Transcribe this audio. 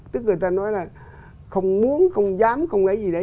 tức người ta nói là không muốn không dám không lấy gì đấy